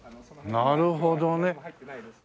なるほどね。